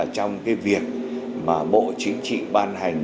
trong cái việc mà bộ chính trị ban hành